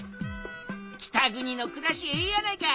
北国のくらしええやないか！